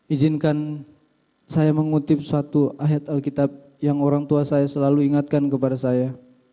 izinkan saya mengutip suatu ayat alkitab yang orang tua saya selalu ingatkan kepada saya